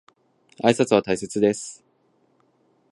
挨拶は大切です。